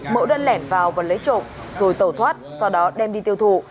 mẫu đơn lẻn vào và lấy trộm rồi tẩu thoát sau đó đem đi tiêu thụ